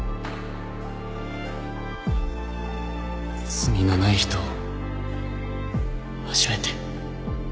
罪のない人を初めて